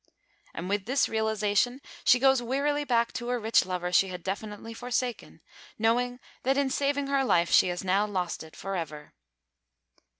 And with this realisation she goes wearily back to a rich lover she had definitely forsaken, knowing that in saving her life she has now lost it for ever.